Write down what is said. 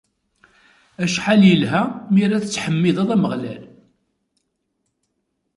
Acḥal yelha mi ara nettḥemmid Ameɣlal.